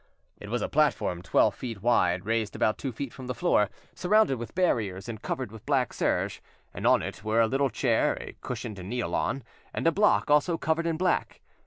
It was a platform twelve feet wide, raised about two feet from the floor, surrounded with barriers and covered with black serge, and on it were a little chair, a cushion to kneel on, and a block also covered in black.